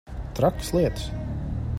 Trakas lietas.